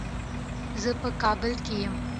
زه په کابل کې یم.